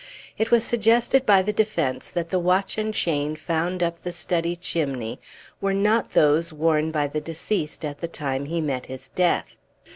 It was suggested by the defence that the watch and chain found up the study chimney were not those worn by the deceased at the time he met his death.